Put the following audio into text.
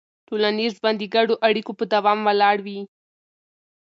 ټولنیز ژوند د ګډو اړیکو په دوام ولاړ وي.